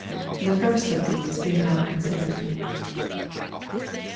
The first of these we now consider.